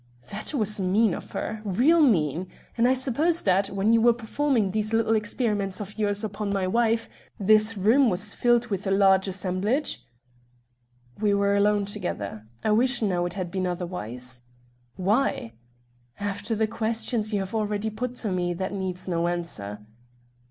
"That was mean of her real mean. And I suppose that, when you were performing these little experiments of yours upon my wife, this room was filled with a large assemblage?" "We were alone together. I wish, now, it had been otherwise." "Why?" "After the questions you have already put to me, that needs no answer."